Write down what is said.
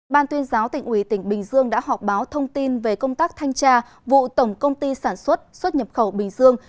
ban tuyên giáo tỉnh ủy tỉnh bình dương đã họp báo thông tin về công tác thanh tra vụ tổng công ty sản xuất xuất nhập khẩu bình dương